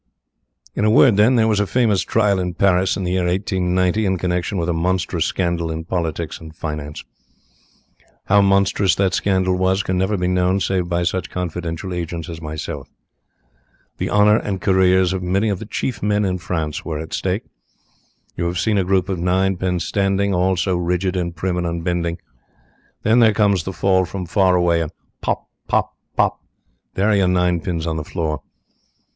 "In a word, then, there was a famous trial in Paris, in the year 1890, in connection with a monstrous scandal in politics and finance. How monstrous that scandal was can never be known save by such confidential agents as myself. The honour and careers of many of the chief men in France were at stake. You have seen a group of ninepins standing, all so rigid, and prim, and unbending. Then there comes the ball from far away and pop, pop, pop there are your ninepins on the floor.